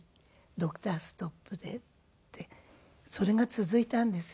ドクターストップで」ってそれが続いたんですよ。